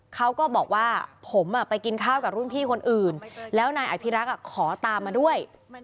เขาก็บอกว่าผมไปกินข้าวกับรุ่นพี่คนอื่นแล้วนายอภิรักษ์ขอตามมาด้วย